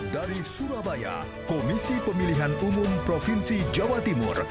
dari surabaya komisi pemilihan umum provinsi jawa timur